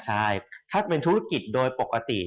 ใช่ถ้าเป็นธุรกิจโดยปกติ